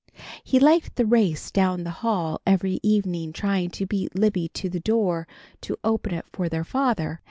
He liked the race down the hall every evening trying to beat Libby to the door to open it for their father.